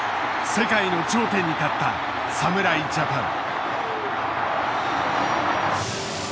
世界の頂点に立った侍ジャパン。